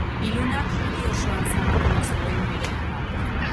Ilunak hiri osoan zabaldua zuen bere kapa.